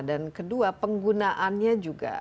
dan kedua penggunaannya juga